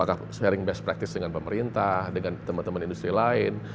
apakah sharing best practice dengan pemerintah dengan teman teman industri lain